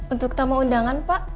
untuk tamu undangan pak